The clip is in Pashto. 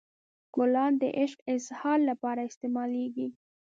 ګلان د عشق اظهار لپاره استعمالیږي.